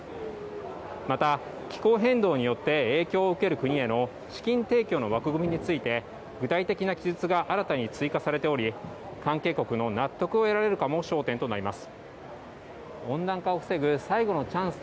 また、気候変動によって影響を受ける国への資金提供の枠組みについて具体的な記述が新たに追加されており関係国の納得を得られるかも焦点となります。